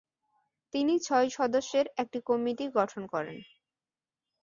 তিনি ছয় সদস্যের একটি কমিটি গঠন করেন।